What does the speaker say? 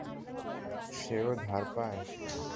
সে-ও ধার পায়?